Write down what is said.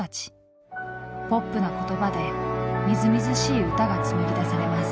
ポップな言葉でみずみずしい歌が紡ぎ出されます。